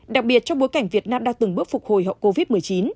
đặc biệt trong bối cảnh việt nam đang từng bước phục hồi hậu covid một mươi chín